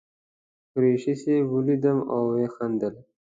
قریشي صاحب ولیدم او وخندل.